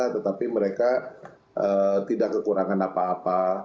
tetapi mereka tidak kekurangan apa apa